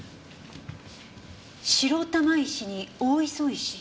白玉石に大磯石。